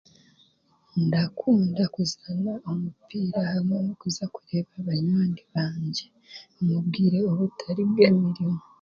Ndakundunda kuzaana omupiira n'okuza kureeba banywani bangye omu bwire obutari bw'emirimo.